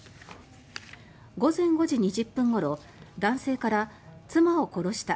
午前５時２０分ごろ男性から「妻を殺した。